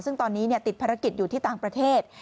ซึ่งตอนนี้ติดภารกิจอยู่ที่ต่างประเทศ